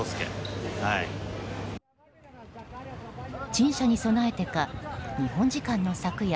陳謝に備えてか日本時間の昨夜